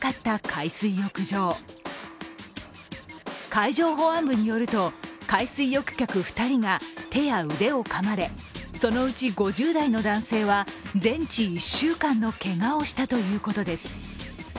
海上保安部によると、海水浴客２人が手や腕をかまれそのうち５０代の男性は全治１週間のけがをしたということです。